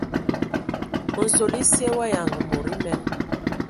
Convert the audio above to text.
Nsol esye wa yanga mod emen.